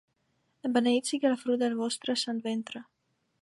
Beneït sigui el fruit del vostre sant ventre.